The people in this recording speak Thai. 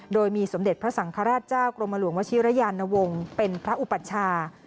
โดยมีสมเด็จพระสังฆราชเจ้ากรมหลวงวชิรยานวงศ์เป็นพระอุปัชชา